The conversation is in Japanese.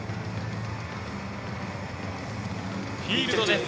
フィールドです。